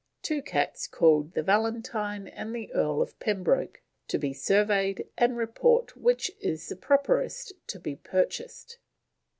Two cats called the Valentine and the Earl of Pembroke to be surveyed and report which is the properest to be purchased."